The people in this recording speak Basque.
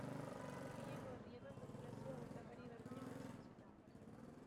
Hurbileko herrietan populazioa gertakari berdinak jasan zuten.